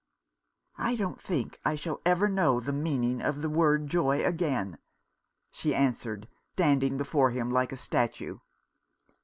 "I don't think I shall ever know the meaning of the word joy again," she answered, standing before him like a statue.